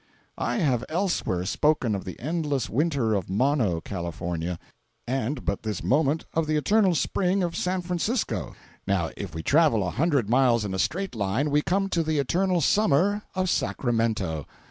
I have elsewhere spoken of the endless Winter of Mono, California, and but this moment of the eternal Spring of San Francisco. Now if we travel a hundred miles in a straight line, we come to the eternal Summer of Sacramento.